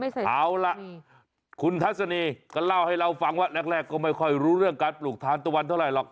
เอาล่ะคุณทัศนีก็เล่าให้เราฟังว่าแรกก็ไม่ค่อยรู้เรื่องการปลูกทานตะวันเท่าไหรหรอก